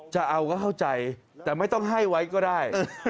จะเอาก็เข้าใจแต่ไม่ต้องให้ไว้ก็ได้